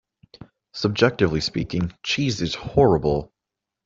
Subjectively speaking, cheese is horrible.